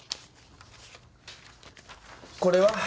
これは？